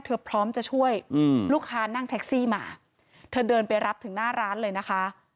พร้อมจะช่วยอืมลูกค้านั่งแท็กซี่มาเธอเดินไปรับถึงหน้าร้านเลยนะคะ